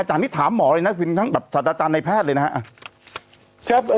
อันนี้ถามหมอเลยนะเป็นทั้งแบบสัตว์อาจารย์ในแพทย์เลยนะครับ